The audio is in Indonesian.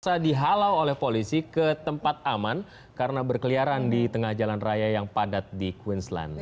terpaksa dihalau oleh polisi ke tempat aman karena berkeliaran di tengah jalan raya yang padat di queensland